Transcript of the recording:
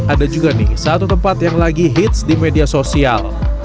ada juga nih satu tempat yang lagi hits di media sosial